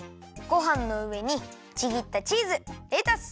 ごはんのうえにちぎったチーズレタス